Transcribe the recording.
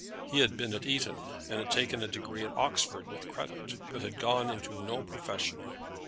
He had been at Eton, and had taken a degree at Oxford with credit, but had gone into no profession.